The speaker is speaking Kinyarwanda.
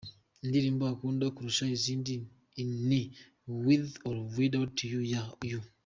Indirimbo akunda kurusha izindi ni With or without you ya U.